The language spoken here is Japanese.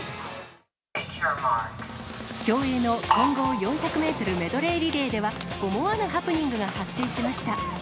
競泳の混合４００メートルメドレーリレーでは、思わぬハプニングが発生しました。